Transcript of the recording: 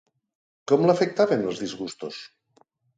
Com l'afectaven els disgustos?